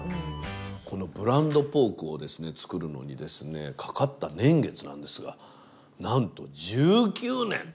このブランドポークをですねつくるのにですねかかった年月なんですがなんと１９年！